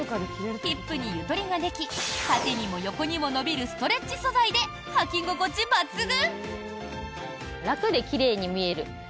ヒップにゆとりができ縦にも横にも伸びるストレッチ素材ではき心地抜群！